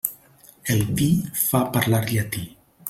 El vi fa parlar llatí.